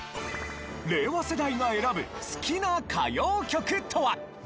令和世代が選ぶ好きな歌謡曲とは？